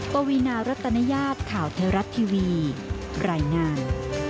ปวีนารัตนญาติข่าวไทยรัฐทีวีรายงาน